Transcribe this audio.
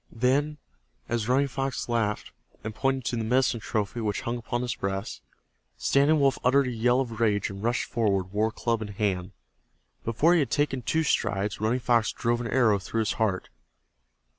Then, as Running Fox laughed and pointed to the medicine trophy which hung upon his breast, Standing Wolf uttered a yell of rage and rushed forward, war club in hand. Before he had taken two strides Running Fox drove an arrow through his heart.